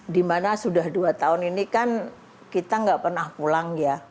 dimana sudah dua tahun ini kan kita nggak pernah pulang ya